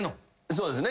そうですね。